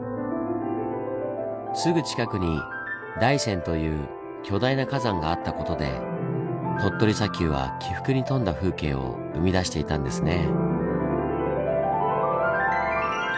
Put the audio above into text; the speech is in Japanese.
すぐ近くに大山という巨大な火山があった事で鳥取砂丘は起伏に富んだ風景を生み出していたんですね。